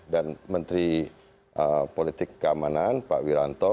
dan menteri politik keamanan pak wiranto